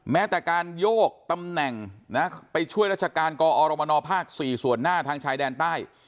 แม้แต่การโยกตำแหน่งไปช่วยราชการกอรมนภ๔ส่วนหน้าทางชายแดนใต้